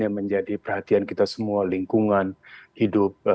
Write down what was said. yang menjadi perhatian kita semua lingkungan hidup